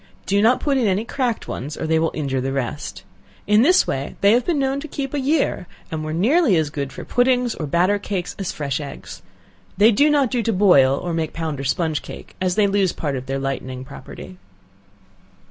Do not put in any cracked ones, or they will injure the rest. In this way they have been known to keep a year, and were nearly as good for puddings, or batter cakes, as fresh eggs. They do not do to boil, or make pound or sponge cake, as they lose part of their lightening property.